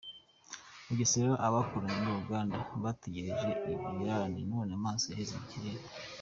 Bugesera Abakoranye n’ uruganda bategereje ibirarane none amaso yaheze mu kirere